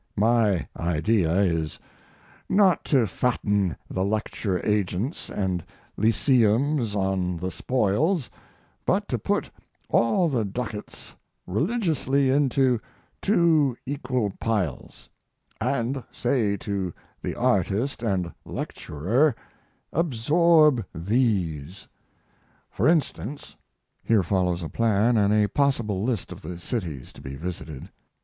My idea is not to fatten the lecture agents and lyceums on the spoils, but to put all the ducats religiously into two equal piles, and say to the artist and lecturer, "absorb these." For instance, [here follows a plan and a possible list of the cities to be visited].